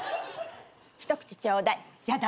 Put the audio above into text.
「ひと口ちょうだい」やだ